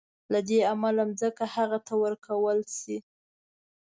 له دې امله ځمکه هغه ته ورکول شي.